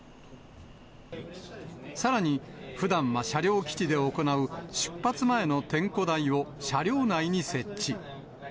さらにふだんは車両基地で行う出発前の点呼台を車両内に設置。